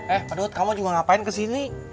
eh padahal kamu juga ngapain kesini